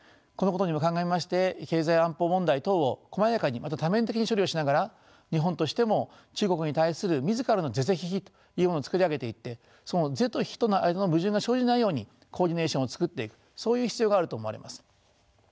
このことにも鑑みまして経済安保問題等をこまやかにまた多面的に処理をしながら日本としても中国に対する自らの是々非々というものを作り上げていってその是と非との間の矛盾が生じないようにコーディネーションを作っていくそういう必要があると思われます。